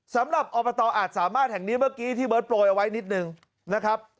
สำหรับอบตอาจสามารถแห่งนี้เมื่อกี้ที่เบิร์ตโปรยเอาไว้นิดนึงนะครับ